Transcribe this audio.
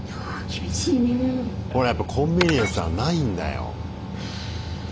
ほらやっぱコンビニエンスはないんだよ。